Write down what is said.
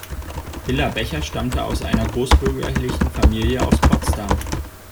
Hilla Becher stammte aus einer großbürgerlichen Familie aus Potsdam.